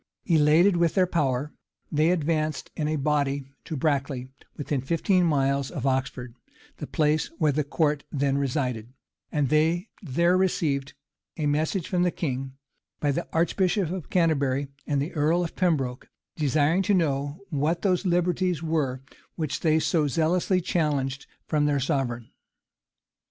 Elated with their power, they advanced in a body to Brackley, within fifteen miles of Oxford, the place where the court then resided; and they there received a message from the king, by the archbishop of Canterbury and the earl of Pembroke, desiring to know what those liberties were which they so zealously challenged from their sovereign.